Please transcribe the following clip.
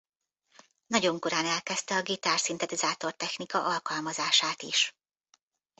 Nagyon korán elkezdte a gitár-szintetizátor technika alkalmazását is.